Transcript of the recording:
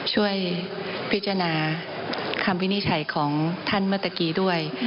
ช่วยพิจารณาคำวินิจฉัยของท่านเมื่อตะกี้ด้วย